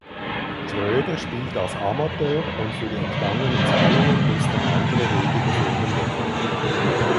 Schröder spielt als Amateur und für die entgangenen Zahlungen mussten andere Wege gefunden werden.